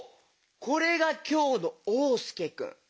これがきょうのおうすけくん。